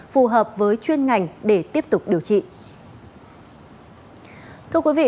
phù hợp với chuyên ngành để tiếp tục điều trị